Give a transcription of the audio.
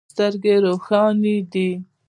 سترګې روښانې دي.